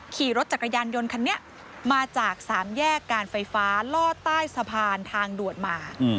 ขี่รถจักรยานยนต์คันนี้มาจากสามแยกการไฟฟ้าล่อใต้สะพานทางด่วนมา